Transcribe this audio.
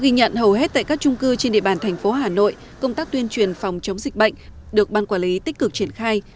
ghi nhận hầu hết tại các trung cư trên địa bàn thành phố hà nội công tác tuyên truyền phòng chống dịch bệnh được ban quản lý tích cực triển khai